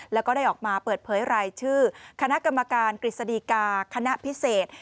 แล้วก็ได้ออกมาเปิดเผยรายชื่อคณะกรรมการกฤษฎีกาคณะพิเศษ